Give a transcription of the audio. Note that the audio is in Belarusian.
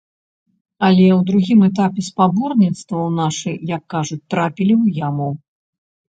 Але ў другім этапе спаборніцтваў нашы, як кажуць, трапілі ў яму.